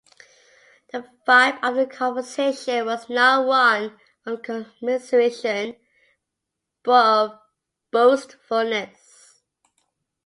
The vibe of the conversation was not one of commiseration but of boastfulness.